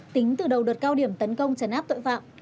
tính từ đầu đợt cao điểm tấn công trấn áp tội phạm